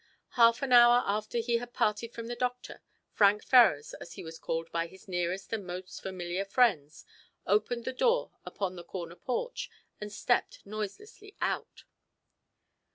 Half an hour after he had parted from the doctor, Frank Ferrars, as he was called by his nearest and most familiar friends, opened the door upon the corner porch and stepped noiselessly out.